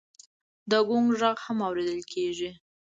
د ګونګ غږ هم اورېدل کېږي.